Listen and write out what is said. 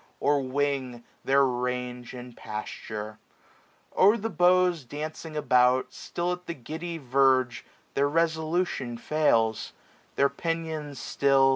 Or wing, their range and pasture. O'er the bought Dancing about, still at the giddy verge Their resolution fails ; their pinions still.